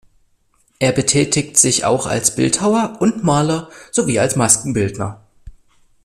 Er betätigt sich auch als Bildhauer und Maler sowie als Maskenbildner.